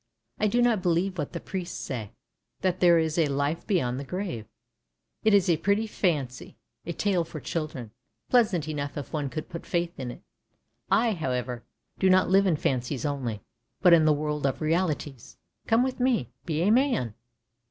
I do not believe what the priests say, that there is a life beyond the grave. It is a pretty fancy, a tale for children — pleasant enough if one could put faith in it. I, however, do not live in fancies only, but in the world of realities. Come with me! Be a man!